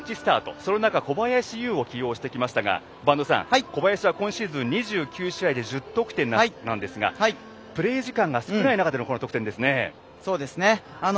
その中、小林悠を起用してきましたが播戸さん、小林は今シーズン２９試合で１０得点なんですがプレー時間が少ない中でのこの得点ですね。